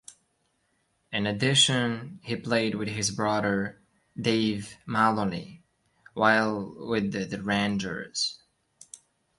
In addition, he played with his brother Dave Maloney while with the Rangers.